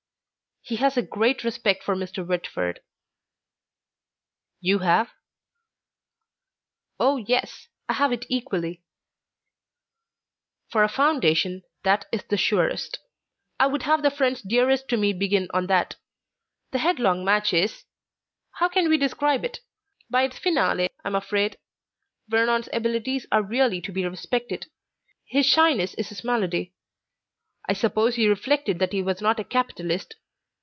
"He has a great respect for Mr. Whitford." "You have?" "Oh, yes; I have it equally." "For a foundation, that is the surest. I would have the friends dearest to me begin on that. The headlong match is how can we describe it? By its finale I am afraid. Vernon's abilities are really to be respected. His shyness is his malady. I suppose he reflected that he was not a capitalist.